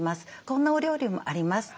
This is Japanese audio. こんなお料理もあります。